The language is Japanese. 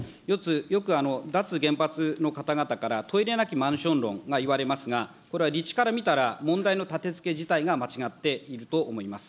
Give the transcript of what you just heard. よく脱原発の方々からトイレなきマンション論がいわれますが、これは立地から見たら、問題のたてつけ自体が間違っていると思います。